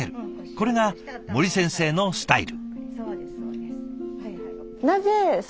これが森先生のスタイル。